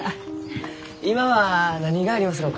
今は何がありますろうか？